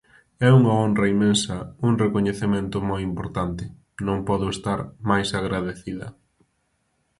É unha honra inmensa, un recoñecemento moi importante, non podo estar máis agradecida.